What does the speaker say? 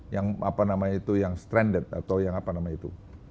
yang apa namanya itu yang stranded atau yang apa namanya itu